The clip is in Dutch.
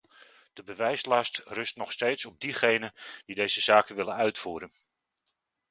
De bewijslast rust nog steeds op degenen die deze zaken willen uitvoeren.